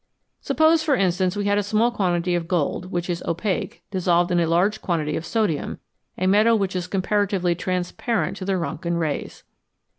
Suppose, for instance, we had a small quantity of gold, which is opaque, dissolved in a large quantity of sodium, a metal which is comparatively transparent to the Rontgen rays.